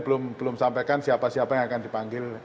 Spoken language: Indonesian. belum sampaikan siapa siapa yang akan dipanggil